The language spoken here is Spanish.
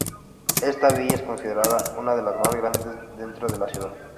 Esta villa es considerada una de las más grandes dentro de la ciudad.